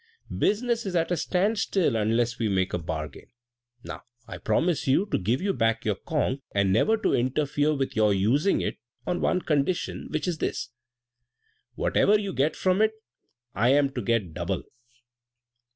Business is at a stand still unless we make a bargain. Now, I promise to give you back your conch, and never to interfere with your using it, on one condition, which is this, whatever you get from it, I am to get double."